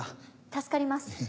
助かります。